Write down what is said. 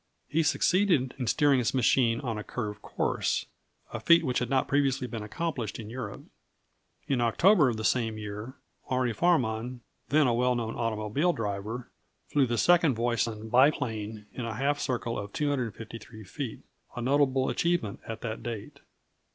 He succeeded in steering his machine in a curved course, a feat which had not previously been accomplished in Europe. In October of the same year, Henri Farman, then a well known automobile driver, flew the second Voisin biplane in a half circle of 253 feet a notable achievement at that date.